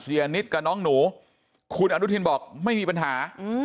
นิดกับน้องหนูคุณอนุทินบอกไม่มีปัญหา